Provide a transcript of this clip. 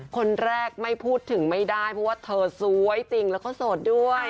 คนแรกไม่พูดถึงไม่ได้เพราะว่าเธอสวยจริงแล้วก็โสดด้วย